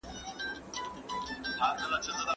باور په ځان باندي د انسان لوی ویاړ دی.